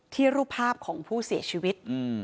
รูปภาพของผู้เสียชีวิต